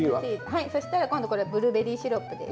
そしたら今度これブルーベリーシロップです。